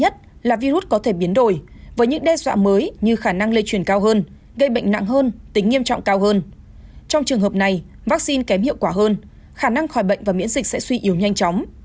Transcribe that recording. trong trường hợp này vaccine kém hiệu quả hơn khả năng khỏi bệnh và miễn dịch sẽ suy yếu nhanh chóng